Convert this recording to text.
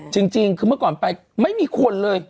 จริงคือเมื่อก่อนไปไม่มีคนเลย